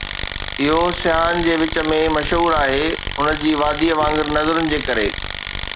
اهو سياحن جي وچ ۾ مشهور آهي ان جي وادي وانگر نظرن جي ڪري.